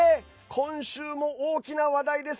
今週も大きな話題です。